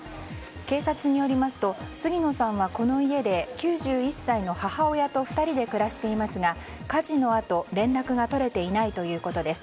警察によりますと杉野さんはこの家で９１歳の母親と２人で暮らしていますが火事のあと、連絡が取れていないということです。